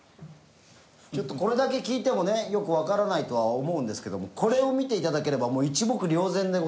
ちょっとこれだけ聞いてもねよくわからないとは思うんですけどもこれを見ていただければもう一目瞭然でございます。